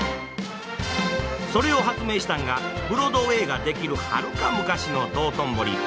それを発明したんがブロードウェイが出来るはるか昔の道頓堀。